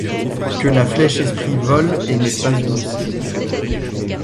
Que la flèche esprit vole et n’ait pas une cible.